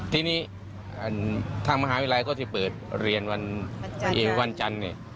ที่นี่ทางมหาวิรัยก็จะเปิดเรียนวันจันทร์